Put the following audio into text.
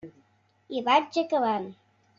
I vaig acabant.